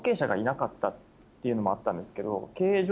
っていうのもあったんですけど。